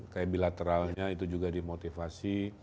kayak bilateralnya itu juga dimotivasi